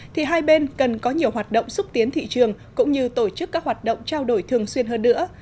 thì hai bên cần có nhiều hoạt động xúc tiến thị trường cũng như tổ chức các hoạt động trao đổi thường xuyên hơn nữa